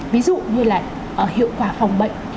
ví dụ như là hiệu quả phòng bệnh